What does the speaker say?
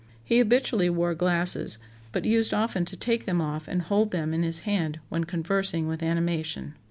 He habitually wore glasses, but used often to take them off and hold them in his hand when conversing with animation.